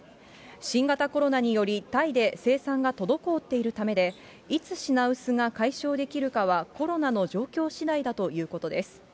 新型コロナによりタイで生産が滞っているためで、いつ品薄が解消できるかは、コロナの状況しだいだということです。